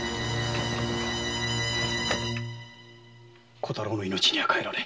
小太郎の命には代えられぬ。